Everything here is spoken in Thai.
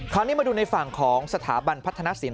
คราวนี้มาดูในฝั่งของสถาบันพัฒนศิลป